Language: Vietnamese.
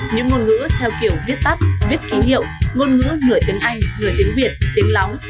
những ngôn ngữ theo kiểu viết tắt viết ký hiệu ngôn ngữ nửa tiếng anh người tiếng việt tiếng lóng